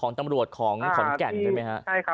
ของตำรวจของขอนแก่นได้ไหมฮะ